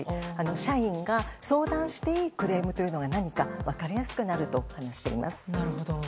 社員が相談していいクレームというのが何か分かりやすくなると話しています。